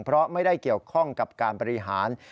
เพราะไม่ได้เกี่ยวข้องกับการบริหาร